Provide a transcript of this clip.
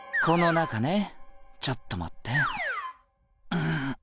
うん。